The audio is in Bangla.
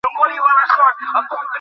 আর পুলিশ আমাকে একটা মামলায় ফাঁসিয়ে দিলো।